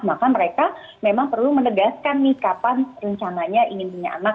maka mereka memang perlu menegaskan nih kapan rencananya ingin punya anak